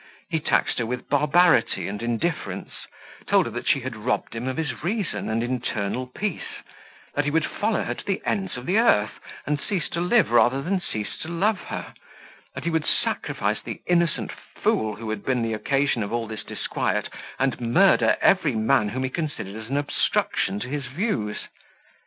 He taxed her with barbarity and indifference; told her, that she had robbed him of his reason and internal peace; that he would follow her to the ends of the earth, and cease to live sooner than cease to love her; that he would sacrifice the innocent fool who had been the occasion of all this disquiet, and murder every man whom he considered as an obstruction to his views.